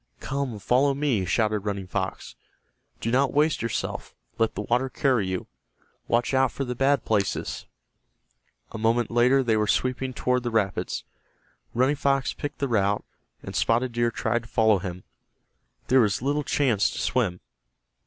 "Come, follow me!" shouted Running Fox. "Do not waste yourself. Let the water carry you. Watch out for the bad places." A moment later they were sweeping toward the rapids. Running Fox picked the route, and Spotted Deer tried to follow him. There was little chance to swim.